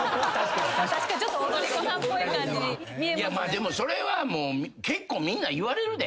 でもそれはもう結構みんな言われるで。